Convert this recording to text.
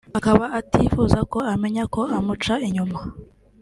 akaba atifuza ko amenya ko amuca inyuma